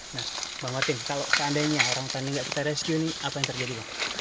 nah bang martin kalau seandainya orang hutan tidak kita rescue ini apa yang terjadi